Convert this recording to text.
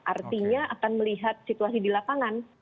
artinya akan melihat situasi di lapangan